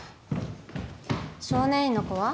少年院の子は？